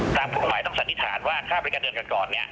กฎหมายต้องสันนิษฐานว่าค่าบริการเดือนก่อนเนี่ย